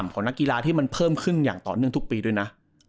ของนักกีฬาที่มันเพิ่มขึ้นอย่างต่อเนื่องทุกปีด้วยนะ